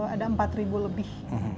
ada empat lebih